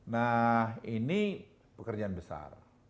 nah ini pekerjaan besar